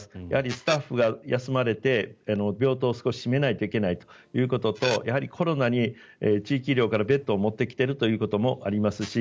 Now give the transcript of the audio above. やはりスタッフが休まれて病棟を少し閉めないといけないということとコロナに地域医療からベッドを持ってきているということもあります